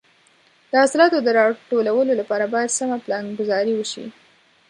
د حاصلاتو د راټولولو لپاره باید سمه پلانګذاري وشي.